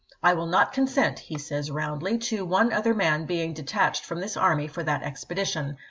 " I will not consent," he says roundly, " to one other man being detached from this army for that expedition.